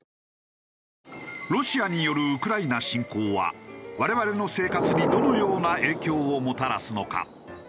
ロシアによるウクライナ侵攻は我々の生活にどのような影響をもたらすのか？